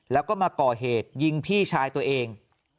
แล้วก็มาก่อเหตุยิงพี่ชายตัวเอง